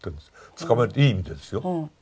捕まえるっていい意味でですよ。